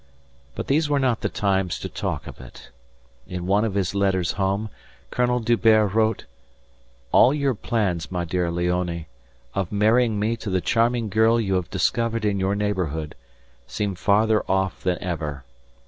But these were not the times to talk of it. In one of his letters home Colonel D'Hubert wrote: "All your plans, my dear Leonie, of marrying me to the charming girl you have discovered in your neighbourhood, seem farther off than ever.